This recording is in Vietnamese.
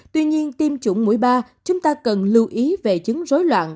tuy nhiên tiêm chủng mũi ba chúng ta cần lưu ý về chứng rối loạn